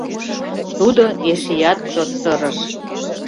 Тудо эшеат чот сырыш.